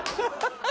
ハハハ！